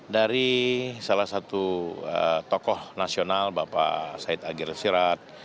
dari salah satu tokoh nasional bapak said akhil siraj